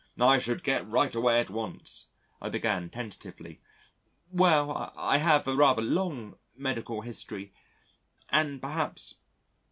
I should get right away at once." I began tentatively. "Well, I have a rather long medical history and perhaps